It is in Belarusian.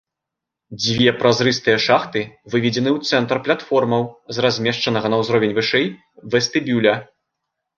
Дзве празрыстыя шахты выведзены ў цэнтр платформаў з размешчанага на ўзровень вышэй вестыбюля.